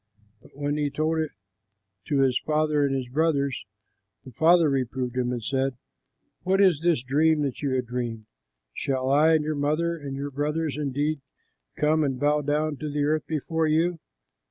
But when he told it to his father and his brothers, his father reproved him and said, "What is this dream that you have dreamed? Shall I and your mother and your brothers indeed come and bow down to the earth before you?"